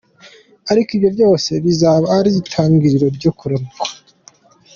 Ariko ibyo byose bizaba ari itangiriro ryo kuramukwa.